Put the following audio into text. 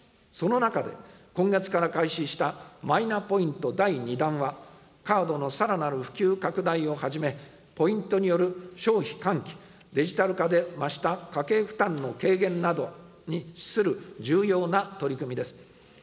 その中で、今月から開始したマイナポイント第２弾は、カードのさらなる普及拡大をはじめ、ポイントによる消費喚起、デジタル化で増した家計負担の軽減などに資する重要な取り組みです。